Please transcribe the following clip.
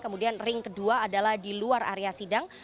kemudian ring kedua adalah di luar area sidang